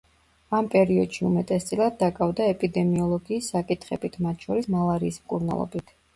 ამ პერიოდში უმეტესწილად დაკავდა ეპიდემიოლოგიის საკითხებით, მათ შორის მალარიის მკურნალობით.